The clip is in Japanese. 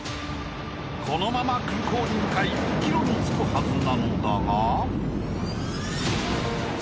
［このまま空港に向かい帰路につくはずなのだが］